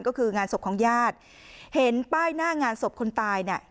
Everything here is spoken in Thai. ก็คืองานศพของญาติเห็นป้ายหน้างานศพคนตายเนี่ย